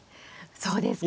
そうですか。